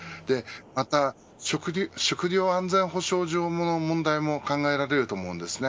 また食糧安全保障上の問題も考えられます。